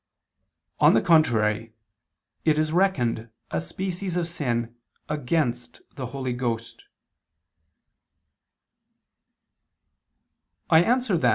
On the contrary, It is reckoned a species of sin against the Holy Ghost.